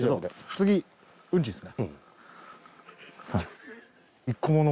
次うんちですね。